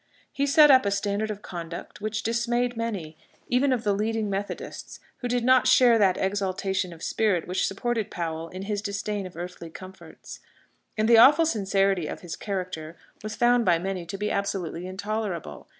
He set up a standard of conduct which dismayed many, even of the leading Methodists, who did not share that exaltation of spirit which supported Powell in his disdain of earthly comforts. And the awful sincerity of his character was found by many to be absolutely intolerable.